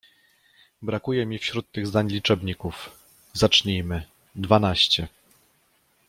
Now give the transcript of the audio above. Brakuje mi wśród tych zdań liczebników. Zacznijmy: dwanaście